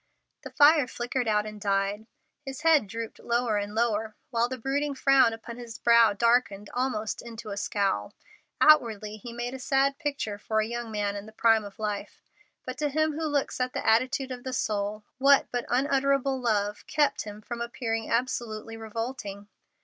The fire flickered out and died, his head drooped lower and lower, while the brooding frown upon his brow darkened almost into a scowl. Outwardly he made a sad picture for a young man in the prime of life, but to Him who looks at the attitude of the soul, what but unutterable love kept him from appearing absolutely revolting?